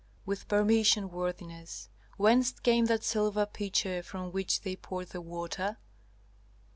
With permission, worthiness, whence came that silver pitcher from which they poured the water?"